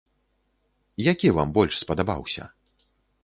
Які вам больш спадабаўся?